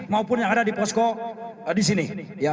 maupun yang ada di posko di sini